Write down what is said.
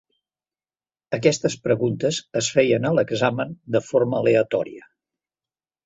Aquestes preguntes es feien a l"examen de forma aleatòria.